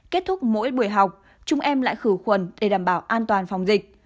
kết thúc mỗi buổi học chúng em lại khử khuẩn để đảm bảo an toàn phòng dịch